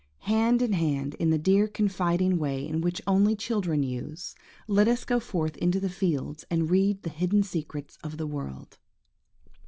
Hand in hand, in the dear confiding way in which only children use, let us go forth into the fields, and read the hidden secrets of the world.